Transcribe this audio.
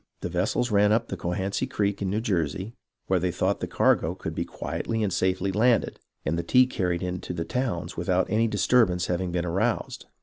The vessels ran up the Cohansey Creek in New Jersey, where it was thought the cargo could be quietly and safely landed, and the tea carried into the towns without any disturbance having been aroused.